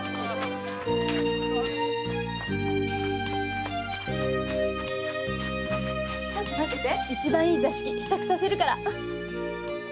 ちょっと待ってて一番いい座敷支度させるから。